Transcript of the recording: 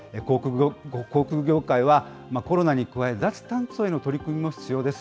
航空業界はコロナに加え、脱炭素への取り組みも必要です。